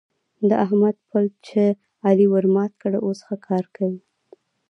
د احمد پدل چې علي ورمات کړ؛ اوس ښه کار کوي.